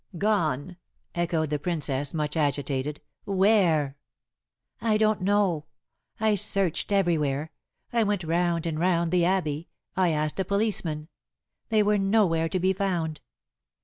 "Gone!" echoed the Princess, much agitated. "Where?" "I don't know. I searched everywhere. I went round and round the Abbey. I asked a policeman. They were nowhere to be found.